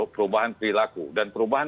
perubahan perilaku dan perubahan